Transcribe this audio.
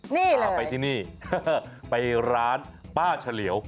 นี่เหรอไปที่นี่ไปร้านป้าเฉลียว